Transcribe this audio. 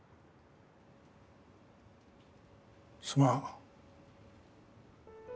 すまん。